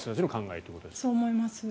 そう思います。